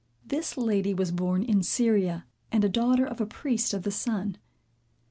This lady was born in Syria, and a daughter of a priest of the sun.